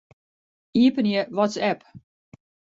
Iepenje WhatsApp.